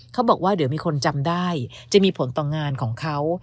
เขาบอกว่าเดี๋ยวมีคนจำได้จะมีผลต่องานของเขา